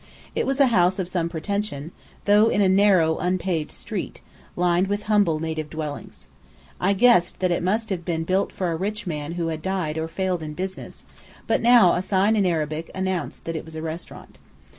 It was a house of some pretension, though in a narrow unpaved street, lined with humble native dwellings. I guessed that it must have been built for a rich man who had died or failed in business, but now a sign in Arabic announced that it was a restaurant.